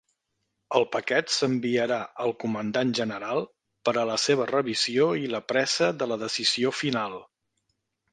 El paquet s'enviarà al comandant general per a la seva revisió i la presa de la decisió final.